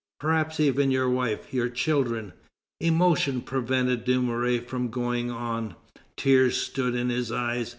Perhaps even your wife, your children..." Emotion prevented Dumouriez from going on. Tears stood in his eyes.